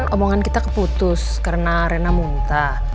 omongan kita keputus karena arena muntah